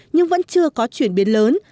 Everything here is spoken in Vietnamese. nhưng vẫn chưa có chuyển biến lớn